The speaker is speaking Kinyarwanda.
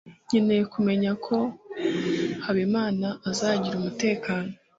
nkeneye kumenya ko habimana azagira umutekano